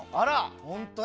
本当に。